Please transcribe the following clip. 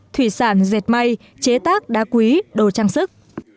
thủy sản dệt may chế tác đá quý đồ trang sức